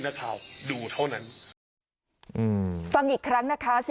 นี่นี่นี่นี่